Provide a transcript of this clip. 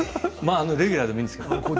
レギュラーでもいいんですけど。